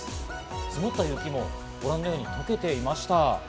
積もった雪もご覧のように、溶けていました。